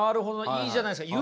いいじゃないですか。